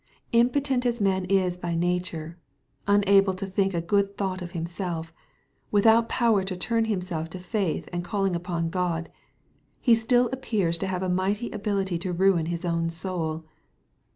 vimpotent as man is by nature, — ^unable to thinkagood thought of himself, — without power to turn himself to faith and calling upon God,— [he still appears to have a mighty ability to ruin his own soul.